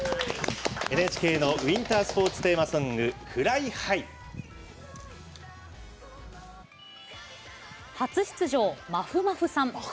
ＮＨＫのウインタースポーツテーマソング「ＦｌｙＨｉｇｈ」初出場、まふまふさん。